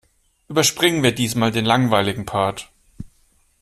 Überspringen wir diesmal den langweiligen Part.